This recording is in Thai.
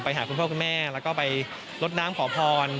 ไปหาคุณโพคุณแม่และก็ไปรสน้ำขอพร